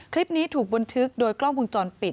คลิปนี้ถูกบันทึกโดยกล้องวงจรปิด